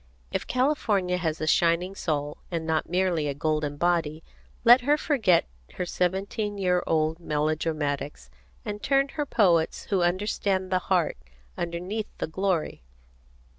If California has a shining soul, and not merely a golden body, let her forget her seventeen year old melodramatics, and turn to her poets who understand the heart underneath the glory.